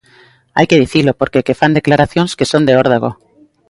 Hai que dicilo, porque é que fan declaracións que son de órdago.